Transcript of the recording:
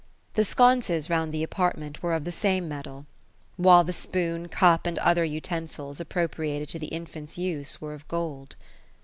The sconces round the apart ment were of the same metal ; while the spoon, cup. and other utensils appropriated to the infant's use were of gold.